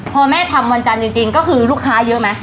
พอแม่ทำวันจันทร์จริงก็คือลูกค้าเยอะไหม